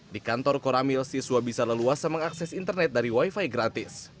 di kantor koramil siswa bisa leluasa mengakses internet dari wifi gratis